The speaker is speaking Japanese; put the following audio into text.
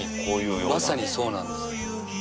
まさにそうなんです。